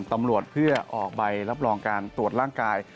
ตำรวจเพื่อออกใบรับรองการตรวจร่างกาย